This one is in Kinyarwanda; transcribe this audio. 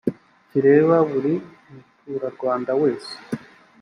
kireba buri muturarwanda wese